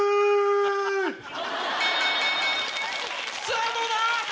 さぁどうだ？